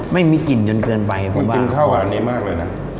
ไม่มีกลิ่นจนเกินไปคุณบ้างมันกินข้าวอันนี้มากเลยนะ